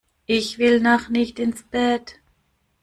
Ich will noch nicht ins Bett!